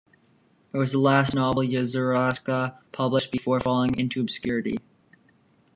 It was the last novel Yezierska published before falling into obscurity.